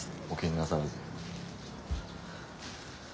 お気になさらず。